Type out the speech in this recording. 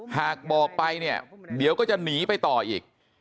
หากบอกไปเนี่ยเดี๋ยวก็จะหนีไปต่ออีก